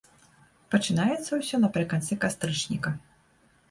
Пачынаецца ўсё напрыканцы кастрычніка.